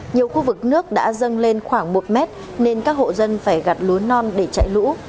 nhiều khu vực nước đã dâng lên khoảng một mét nên các hộ dân phải gặt lúa non để chạy lũ